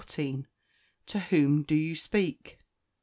To whom do you speak?